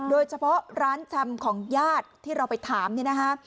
โดยเฉพาะร้านชำของญาติที่เราไปถามเนี่ยนะคะ